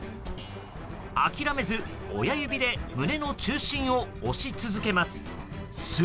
諦めず、親指で胸の中心を押し続けます。